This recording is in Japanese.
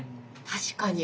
確かに。